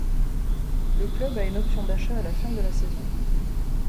Le club a une option d'achat à la fin de la saison.